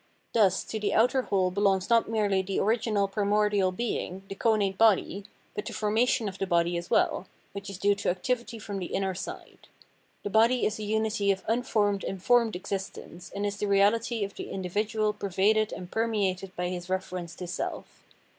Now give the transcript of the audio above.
ThuSj to the outer whole belongs not merely 300 Phenomenology of Mind the original primordial being, the co nate body, but the formation of the body as well, which is due to activity from the iimer side ; the body is a unity of unformed and formed existence, and is the reahty of the individual pervaded and permeated by his reference to self.